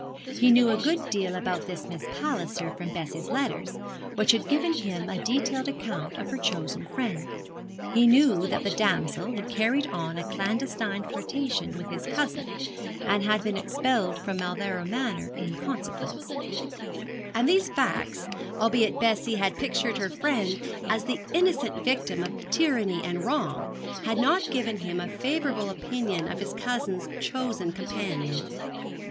He knew a good deal about this Miss Palliser from Bessie's letters, which had given him a detailed account of her chosen friend. He knew that the damsel had carried on a clandestine flirtation with his cousin, and had been expelled from Mauleverer Manor in consequence; and these facts, albeit Bessie had pictured her friend as the innocent victim of tyranny and wrong, had not given him a favourable opinion of his cousin's chosen companion.